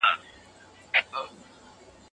پښتورګي د انسان د بدن مهمه برخه ده.